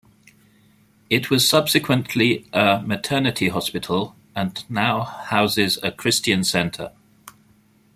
It was subsequently a maternity hospital, and now houses a Christian centre.